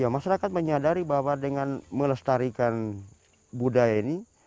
masyarakat menyadari bahwa dengan melestarikan budaya ini